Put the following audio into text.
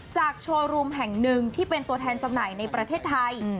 โชว์รูมแห่งหนึ่งที่เป็นตัวแทนจำหน่ายในประเทศไทย